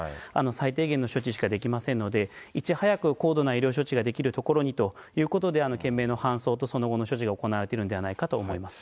最低限の処置しかできませんので、いち早く高度な医療処置ができる所にということで、懸命の搬送と、その後の処置が行われているのではないかと思います。